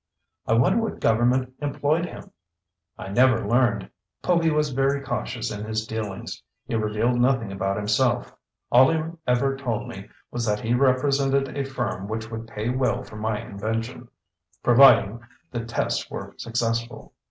"I wonder what government employed him?" "I never learned. Povy was very cautious in his dealings. He revealed nothing about himself. All he ever told me was that he represented a firm which would pay well for my invention, providing the tests were successful."